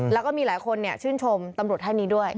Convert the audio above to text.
แล้วก็มีหลายคนชื่นชมตำรวจท่านนี้ด้วย